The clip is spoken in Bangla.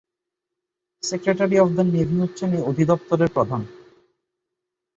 সেক্রেটারি অফ দ্য নেভি হচ্ছেন এই অধিদপ্তরের প্রধান।